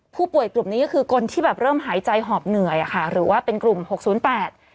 ผู้ป่วยกลุ่มนี้ก็คือคนที่แบบเริ่มหายใจหอบเหนื่อยอ่ะค่ะหรือว่าเป็นกลุ่มหกศูนย์แปด